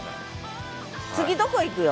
次どこ行くよ？